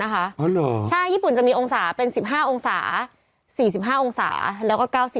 หรือ๑๙